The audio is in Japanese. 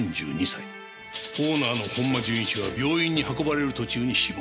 オーナーの本間順一は病院に運ばれる途中に死亡。